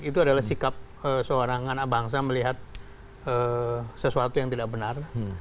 itu adalah sikap seorang anak bangsa melihat sesuatu yang tidak benar